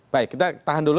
baik kita tahan dulu